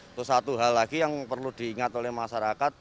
itu satu hal lagi yang perlu diingat oleh masyarakat